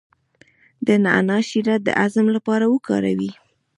د نعناع شیره د هضم لپاره وکاروئ